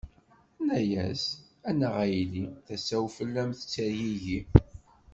Tenna-as: A nnaɣ a yelli, tasa-w fell-am tettergigi.